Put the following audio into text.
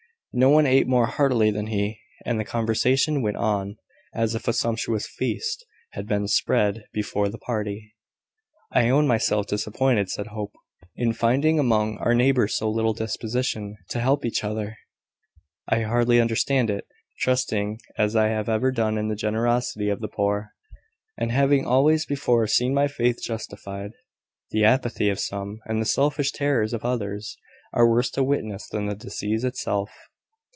No one ate more heartily than he; and the conversation went on as if a sumptuous feast had been spread before the party. "I own myself disappointed," said Hope, "in finding among our neighbours so little disposition to help each other. I hardly understand it, trusting as I have ever done in the generosity of the poor, and having always before seen my faith justified. The apathy of some, and the selfish terrors of others, are worse to witness than the disease itself."